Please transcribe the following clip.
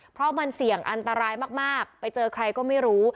เพราะมันเสี่ยงอันตรายมากไปเจอใครก็ไม่รู้